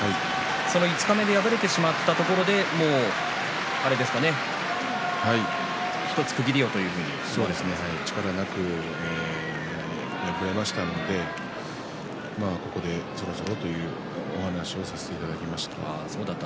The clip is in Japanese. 五日目で敗れてしまったところで力なく敗れましたのでここでというお話をさせていただきました。